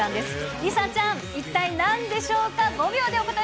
梨紗ちゃん、一体なんでしょうか？